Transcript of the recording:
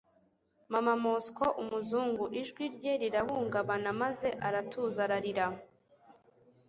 Mama Moscou, umuzungu ..." ijwi rye rirahungabana, maze aratuza ararira.